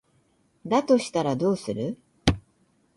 だとしたらどうする？